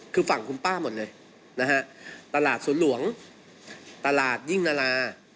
คือฝั่งคุณป้าหมดเลยนะฮะตลาดสวนหลวงตลาดยิ่งนารา